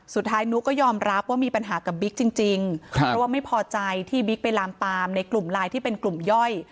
นุ๊กก็ยอมรับว่ามีปัญหากับบิ๊กจริงเพราะว่าไม่พอใจที่บิ๊กไปลามตามในกลุ่มไลน์ที่เป็นกลุ่มย่อย